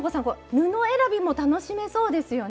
布選びも楽しめそうですよね。